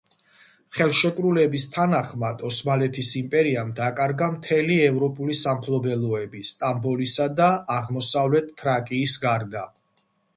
ხელშეკრულების თანახმად ოსმალეთის იმპერიამ დაკარგა მთელი ევროპული სამფლობელოები სტამბოლისა და აღმოსავლეთ თრაკიის გარდა.